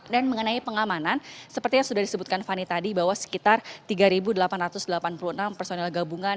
dan mengenai pengamanan seperti yang sudah disebutkan fani tadi bahwa sekitar tiga delapan ratus delapan puluh enam personil gabungan